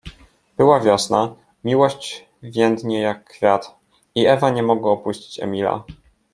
Była wiosna, „miłość więdnie jak kwiat”, i Ewa nie mogła opuścić Emila.